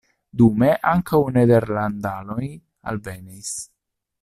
Dume ankaŭ nederlandanoj alvenis.